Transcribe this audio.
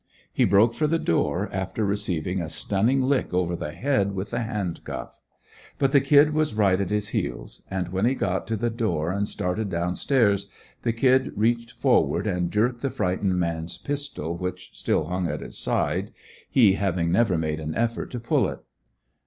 He broke for the door after receiving a stunning lick over the head with the hand cuff. But the "Kid" was right at his heels; and when he got to the door and started down stairs the "Kid" reached forward and jerked the frightened man's pistol which still hung at his side, he having never made an effort to pull it.